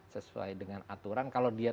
sesuai dengan aturan kalau dia